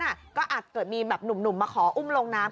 ก็อาจเกิดมีแบบหนุ่มมาขออุ้มลงน้ำ